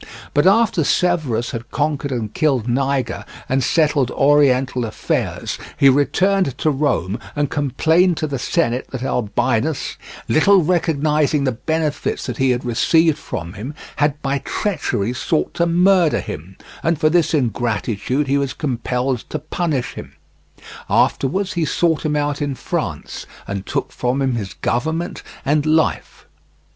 But after Severus had conquered and killed Niger, and settled oriental affairs, he returned to Rome and complained to the Senate that Albinus, little recognizing the benefits that he had received from him, had by treachery sought to murder him, and for this ingratitude he was compelled to punish him. Afterwards he sought him out in France, and took from him his government and life.